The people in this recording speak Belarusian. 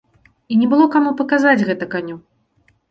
І не было каму паказаць гэта каню.